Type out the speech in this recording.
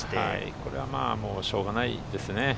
これはしょうがないですね。